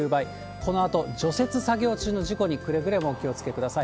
このあと除雪作業中の事故にくれぐれもお気をつけください。